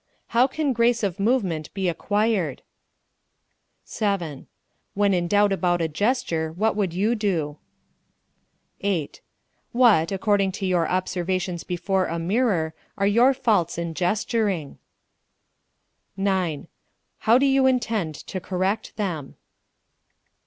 How can grace of movement be acquired? 7. When in doubt about a gesture what would you do? 8. What, according to your observations before a mirror, are your faults in gesturing? 9. How do you intend to correct them?